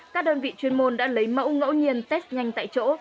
các đơn vị chuyên môn đã lấy mẫu ngẫu nhiên test nhanh tại chỗ